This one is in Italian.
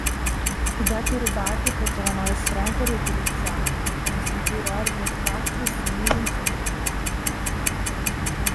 I dati rubati potevano essere anche riutilizzati per consentire altri attacchi simili in futuro.